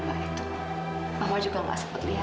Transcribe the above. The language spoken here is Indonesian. berat banget sih